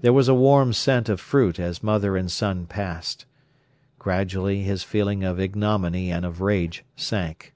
There was a warm scent of fruit as mother and son passed. Gradually his feeling of ignominy and of rage sank.